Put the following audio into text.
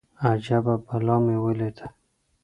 اجبه بلا مې وليده.